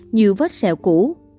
nhiều vết sẹo cũ